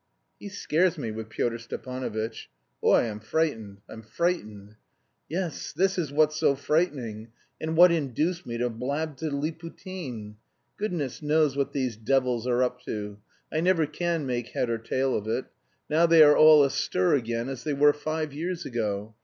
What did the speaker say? "He scares me with Pyotr Stepanovitch. Oy, I'm frightened, I'm frightened! Yes, this is what's so frightening! And what induced me to blab to Liputin. Goodness knows what these devils are up to. I never can make head or tail of it. Now they are all astir again as they were five years ago.